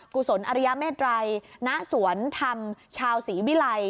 กุศลอริยเมตรัยณสวนธรรมชาวศรีวิรัย